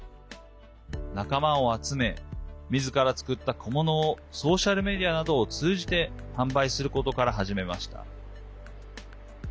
仲間を集めみずから作った小物をソーシャルメディアなどを通じて販売することから始めました。